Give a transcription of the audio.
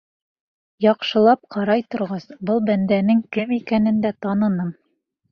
Яҡшылап ҡарай торғас, был бәндәнең кем икәнен дә таныным.